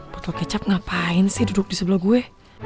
foto kecap ngapain sih duduk di sebelah gue